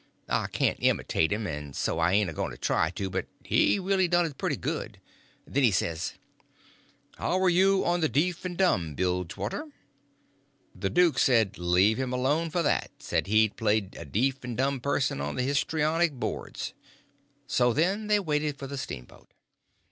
I can't imitate him, and so I ain't a going to try to; but he really done it pretty good. Then he says: "How are you on the deef and dumb, Bilgewater?" The duke said, leave him alone for that; said he had played a deef and dumb person on the histronic boards. So then they waited for a steamboat.